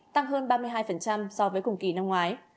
tăng hơn ba mươi hai so với cùng kỳ năm ngoái